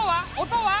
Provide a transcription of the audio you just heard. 音は？